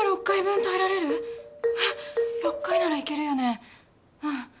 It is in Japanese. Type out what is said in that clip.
６回ならいけるよねうん。